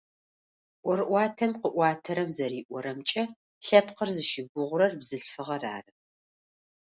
Ӏорыӏуатэм къыӏуатэрэм зэриӏорэмкӏэ, лъэпкъыр зыщыгугъурэр бзылъфыгъэр ары.